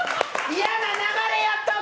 嫌な流れやったわ！